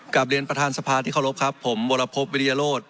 กลับเรียนประธานสภาที่เคารพครับผมวรพบวิริยโรธ